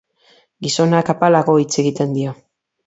Gizonak apalago hitz egiten dio.